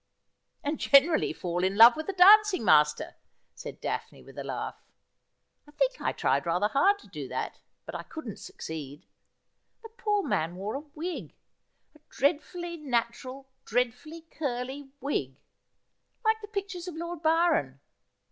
' And generally fall in love with the dancing master,' said Daphne, with a laugh. ' I think I tried rather hard to do that, but I couldn't succeed. The poor man wore a wig ; a dreadfully natural, dreadfully curly wig ; like the pictures of Lord Byron.